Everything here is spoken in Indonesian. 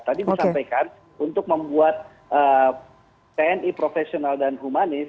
tadi disampaikan untuk membuat tni profesional dan humanis